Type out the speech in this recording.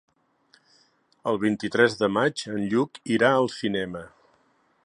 El vint-i-tres de maig en Lluc irà al cinema.